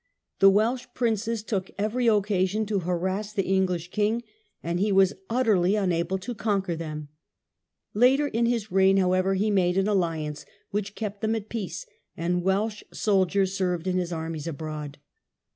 The Welsh princes took every occasion to harass the English king, and he was utterly unable to IRELAND AND ITS RULERS. 2$ conquer them. Later in hi$; reign, however, he made an alliance which kept them at peace, and Welsh soldiers served in his armies abroad.